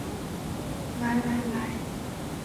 来来来